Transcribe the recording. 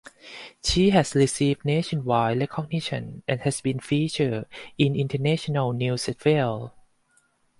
She has received nationwide recognition and has been featured in international news as well.